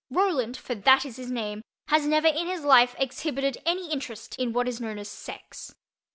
Roland (for that is his name) has never in his life exhibited any interest in what is known as sex.